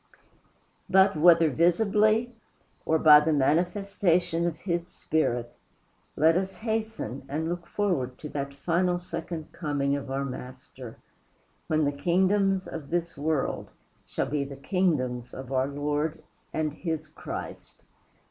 But whether visibly or by the manifestation of his Spirit, let us hasten and look forward to that final second coming of our Master, when the kingdoms of this world shall be the kingdoms of our Lord and his Christ.